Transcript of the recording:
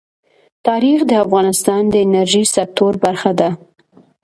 تاریخ د افغانستان د انرژۍ سکتور برخه ده.